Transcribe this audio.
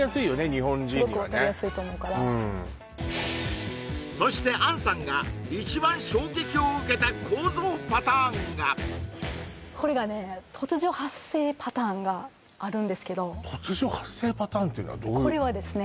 日本人にはねすごく分かりやすいと思うからそしてアンさんがこれがね突如発生パターンがあるんですけど突如発生パターンっていうのはどういうこれではですね